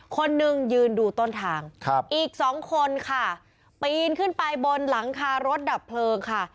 คนหนึ่งยืนดูต้นทางครับอีกสองคนค่ะปีนขึ้นไปบนหลังคารถดับเพลิงค่ะ